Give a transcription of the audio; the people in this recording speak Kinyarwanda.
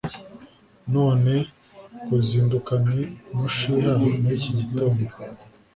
none kuzindukane umushiha muriki gitondo